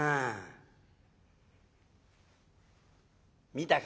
見たか？